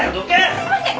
すいません！